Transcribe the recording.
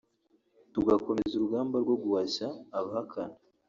tugakomeza urugamba rwo guhashya abahakana